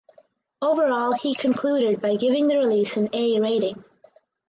Overall he concluded by giving the release an "A" rating.